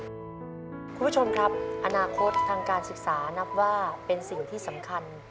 คุณผู้ชมครับอนาคตทางการศึกษานับว่าเป็นสิ่งที่สำคัญ